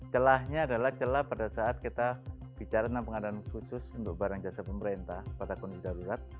celahnya adalah celah pada saat kita bicara tentang pengadaan khusus untuk barang jasa pemerintah pada kondisi darurat